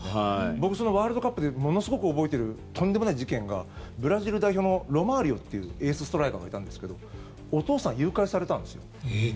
僕、ワールドカップでものすごく覚えているとんでもない事件がブラジル代表のロマーリオというエースストライカーがいたんですけどお父さんが誘拐されたんですよ。